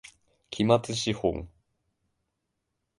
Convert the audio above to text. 期末資本